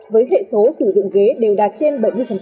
với hệ số sử dụng ghế đều đạt trên bảy mươi